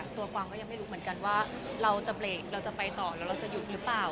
กวางก็ยังไม่รู้เหมือนกันว่าเราจะเบรกเราจะไปต่อหรือเราจะหยุดหรือเปล่า